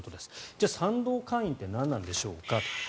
じゃあ賛同会員って何なんでしょうか。